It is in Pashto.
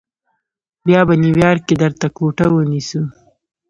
بیا به نیویارک کې درته کوټه ونیسو.